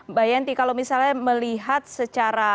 mbak yenty kalau misalnya melihat secara